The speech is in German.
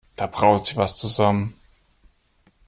Da braut sich was zusammen.